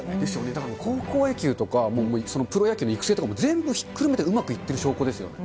だから高校野球とか、プロ野球の育成とかも全部ひっくるめてうまくいってる証拠ですよ。